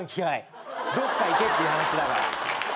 どっか行けっていう話だから。